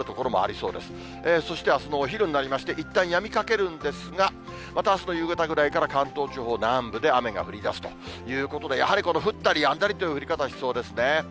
そしてあすのお昼になりまして、いったんやみかけるんですが、またあすの夕方ぐらいから関東地方南部で雨が降りだすということで、やはりこの降ったりやんだりという降り方をしそうですね。